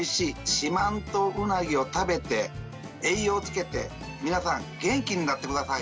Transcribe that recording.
四万十うなぎを食べて栄養つけて皆さん元気になってください。